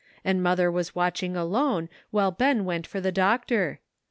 and mother was watching alone while Ben went for the doctor.